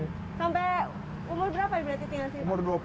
sampai umur berapa berarti tinggal di sini pak